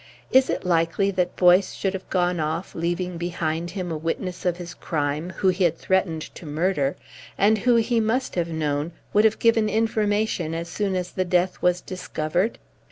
Is it likely that Boyce should have gone off leaving behind him a witness of his crime whom he had threatened to murder, and who he must have known would have given information as soon as the death was discovered?